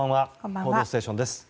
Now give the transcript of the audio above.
「報道ステーション」です。